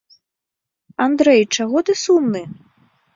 Андрэй, чаго ты сумны?